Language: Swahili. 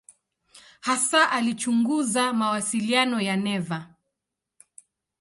Hasa alichunguza mawasiliano ya neva.